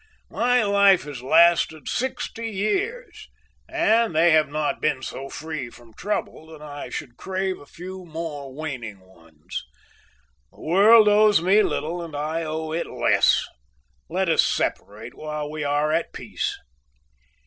My life has lasted sixty years, and they have not been so free from trouble that I should crave a few more waning ones. The world owes me little, and I owe it less; let us separate while we are at peace.